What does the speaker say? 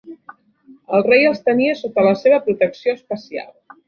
El rei els tenia sota la seva protecció especial.